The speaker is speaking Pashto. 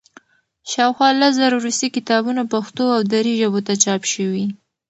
شاوخوا لس زره روسي کتابونه پښتو او دري ژبو ته چاپ شوي.